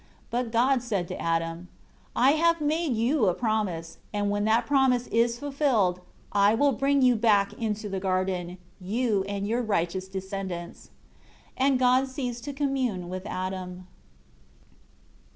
8 But God said to Adam, "I have made you a promise; when that promise is fulfilled, I will bring you back into the garden, you and your righteous descendants." 9 And God ceased to commune with Adam.